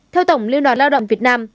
theo tổng liên đoàn lao động việt nam